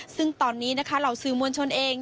ซึ่งตอนนี้นะคะเหล่าสื่อมวลชนเอง